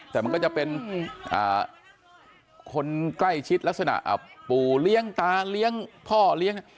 แต่มันก็จะเป็นคนใกล้ชิดลักษณะปู่เลี้ยงตาเลี้ยงพ่อเลี้ยง